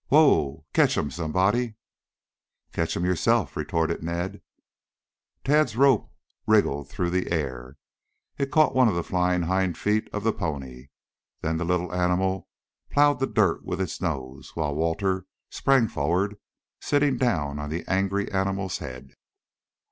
"Whoa! Catch him, somebody." "Catch him yourself," retorted Ned. Tad's rope wriggled through the air. It caught one of the flying hind feet of the pony. Then the little animal plowed the dirt with its nose, while Walter sprang forward, sitting down on the angry animal's head.